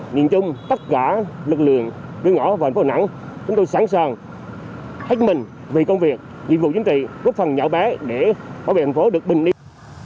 nhìn chung tất cả lực lượng đưa ngõ vào thành phố đà nẵng chúng tôi sẵn sàng hít mình vì công việc nhiệm vụ chính trị góp phần nhỏ bé để bảo vệ thành phố được bình yên